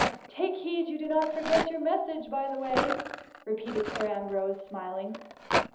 '*" Take heed you do not forget your message by the way,'' repeated Sir Ambrose, smiling.